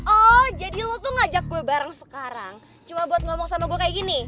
oh jadi lu tuh ngajak gue bareng sekarang cuma buat ngomong sama gue kayak gini